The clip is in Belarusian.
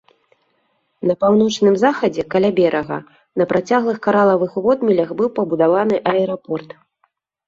На паўночным захадзе каля берага на працяглых каралавых водмелях быў пабудаваны аэрапорт.